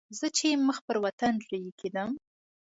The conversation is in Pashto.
زه چې مخ پر وطن رهي کېدم.